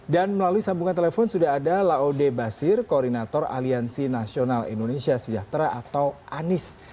melalui sambungan telepon sudah ada laode basir koordinator aliansi nasional indonesia sejahtera atau anis